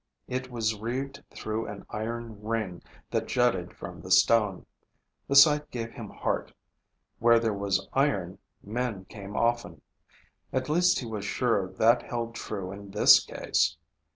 It was reeved through an iron ring that jutted from the stone. The sight gave him heart. Where there was iron, men came often. At least he was sure that held true in this case.